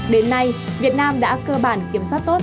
đến nay việt nam đã cơ bản kiểm soát tốt